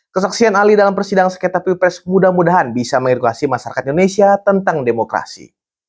kesaksian ali dalam persidangan sekitar pilpres mudah mudahan bisa mengedukasi masyarakat indonesia tentang demokrasi